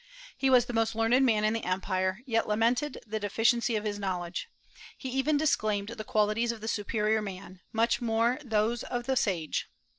He was the most learned man in the empire, yet lamented the deficiency of his knowledge. He even disclaimed the qualities of the superior man, much more those of the sage.